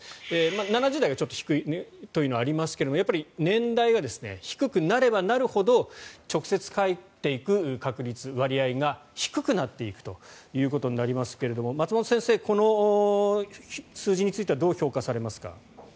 ７０代が低いということがありますが低くなればなるほど直接帰っていく割合が低くなっていくということになりますが松本先生、この数字についてはどう評価されますか？